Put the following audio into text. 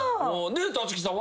立木さん。